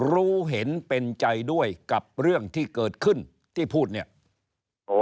รู้เห็นเป็นใจด้วยกับเรื่องที่เกิดขึ้นที่พูดเนี่ยอ๋อ